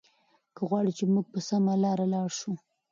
دی غواړي چې موږ په سمه لاره لاړ شو.